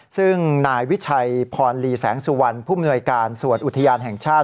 ซึ่งนายวิชัยพรลีแสงสุวรรณผู้มนวยการส่วนอุทยานแห่งชาติ